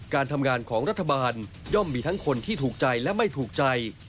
การทำงานของรัฐบาลย่อมมีทั้งคนที่ถูกใจและไม่ถูกใจ